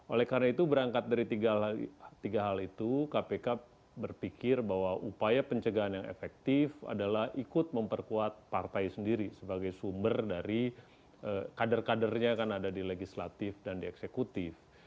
oleh karena itu berangkat dari tiga hal itu kpk berpikir bahwa upaya pencegahan yang efektif adalah ikut memperkuat partai sendiri sebagai sumber dari kader kadernya kan ada di legislatif dan di eksekutif